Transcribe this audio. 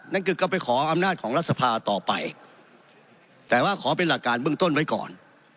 นั่นคือก็ไปขออำนาจของรัฐสภาต่อไปแต่ว่าขอเป็นหลักการเบื้องต้นไว้ก่อน